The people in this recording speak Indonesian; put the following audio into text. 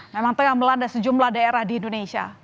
memang tengah melanda sejumlah daerah di indonesia